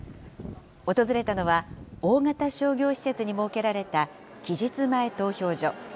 訪れたのは、大型商業施設に設けられた期日前投票所。